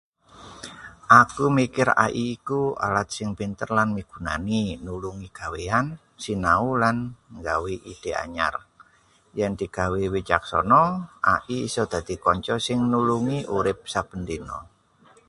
Aku mikir AI iku alat sing pinter lan migunani: nulungi gaweyan, sinau, lan nggawe ide anyar. Yen digawe wicaksana, AI isa dadi kanca sing nulungi urip saben dina.